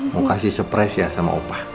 mau kasih surprise ya sama upah